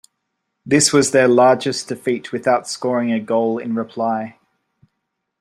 This was their largest defeat without scoring a goal in reply.